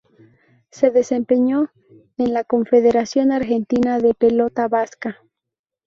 Se desempeñó en la Confederación Argentina de Pelota Vasca.